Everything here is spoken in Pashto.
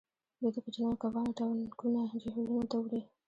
دوی د کوچنیو کبانو ټانکونه جهیلونو ته وړي